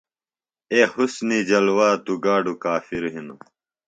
اے حُسُن جلوہ توۡ گاڈوۡ کافِر ہِنوۡ۔